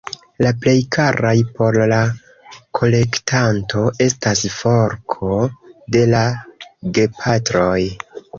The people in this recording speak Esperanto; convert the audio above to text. La plej karaj por la kolektanto estas forko de la gepatroj.